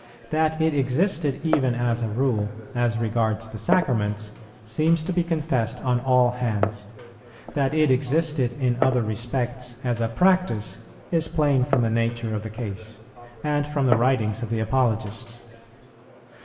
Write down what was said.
That it existed even as a rule, as regards the Sacraments, seems to be confessed on all hands. That it existed in other respects, as a practice, is plain from the nature of the case, and from the writings of the Apologists.